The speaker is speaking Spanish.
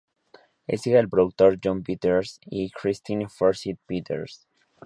Es hija del productor Jon Peters y de Christine Forsyth-Peters.